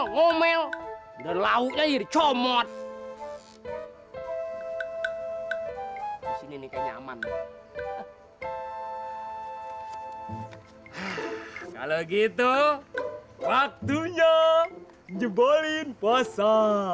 ngomel dan lauknya jadi comot disini nih nyaman kalau gitu waktunya nyebolin puasa